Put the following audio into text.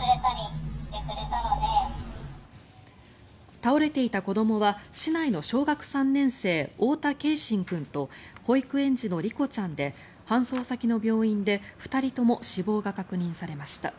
倒れていた子どもは市内の小学３年生太田継真君と保育園児の梨心ちゃんで搬送先の病院で２人とも死亡が確認されました。